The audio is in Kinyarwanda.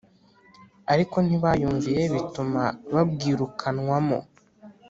Ariko ntibayumviye bituma babwirukanwamo